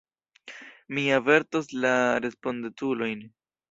Mi avertos la respondeculojn.